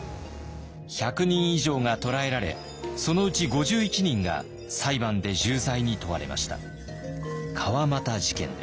１００人以上が捕らえられそのうち５１人が裁判で重罪に問われました。